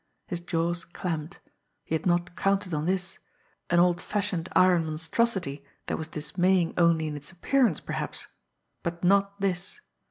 His jaws clamped. He had not counted on this an old fashioned iron monstrosity that was dismaying only in its appearance, perhaps but not this!